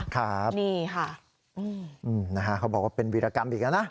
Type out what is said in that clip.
ครับนี่ค่ะนะฮะเขาบอกว่าเป็นวีรกรรมอีกแล้วนะ